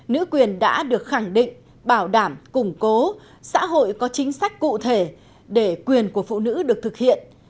nữ quyền đã được khẳng định bảo đảm củng cố xã hội có chính sách cụ thể để quyền của phụ nữ được thực hiện